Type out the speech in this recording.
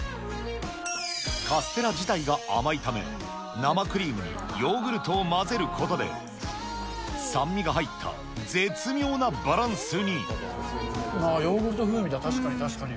カステラ自体が甘いため、生クリームにヨーグルトを混ぜることで、ヨーグルト風味だ、確かに、確かに。